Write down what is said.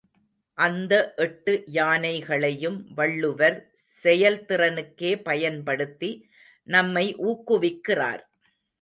அந்த எட்டு யானைகளையும் வள்ளுவர் செயல்திறனுக்கே பயன்படுத்தி நம்மை ஊக்குவிக்கிறார்.